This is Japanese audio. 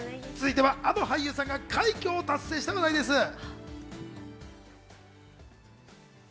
続いては、あの俳優さんが快挙を達成した話題です。